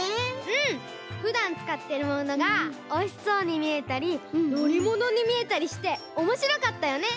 うんふだんつかってるものがおいしそうにみえたりのりものにみえたりしておもしろかったよね！